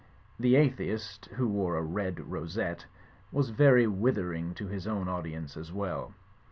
The atheist (who wore a red rosette) was very withering to his own audience as well.